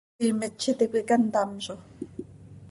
¿Siimet z iti cöica ntamzo?